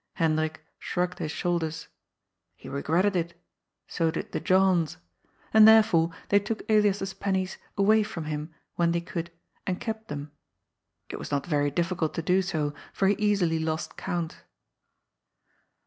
Hendrik shrngged his shoulders. He regretted it. So did the Johns. And therefore they took Elias's pennies away from him, when they could, and kept them. It was not yery dif&cult to do so, for he easily lost count.